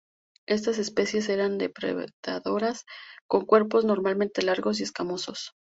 Estas especies eran depredadoras, con cuerpos normalmente largos y escamosos.